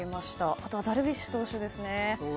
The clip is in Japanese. あとはダルビッシュ投手ですね。